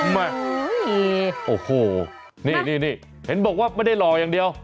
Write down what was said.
แม่โอ้โหนี่เห็นบอกว่าไม่ได้หล่ออย่างเดียว